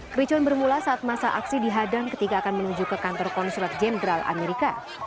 kericuan bermula saat masa aksi dihadang ketika akan menuju ke kantor konsulat jenderal amerika